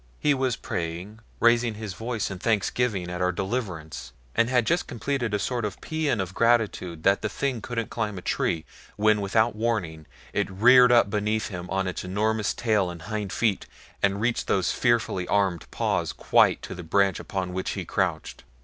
He was praying raising his voice in thanksgiving at our deliverance and had just completed a sort of paeon of gratitude that the thing couldn't climb a tree when without warning it reared up beneath him on its enormous tail and hind feet, and reached those fearfully armed paws quite to the branch upon which he crouched.